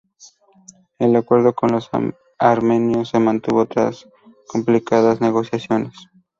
El acuerdo con los armenios se mantuvo tras complicadas negociaciones.